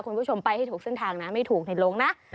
คุณผู้ชมไปให้ถูกเส้นทางนะไม่ถูกในโรงนะ